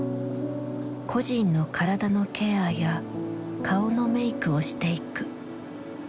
故人の体のケアや顔のメイクをしていく。